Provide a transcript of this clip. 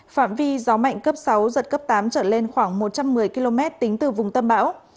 phạm vi gió mạnh cấp sáu giật cấp tám trở lên khoảng một trăm một mươi km tính từ vùng tâm bão